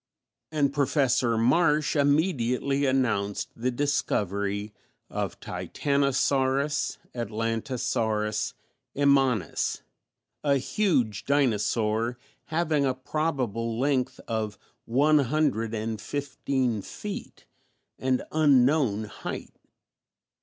And Professor Marsh immediately announced the discovery of Titanosaurus (Atlantosaurus) immanis, a huge dinosaur having a probable length of one hundred and fifteen feet and unknown height.